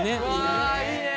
わいいね！